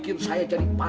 tidak tidak tidak